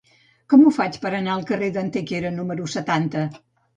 Com ho faig per anar al carrer d'Antequera número setanta?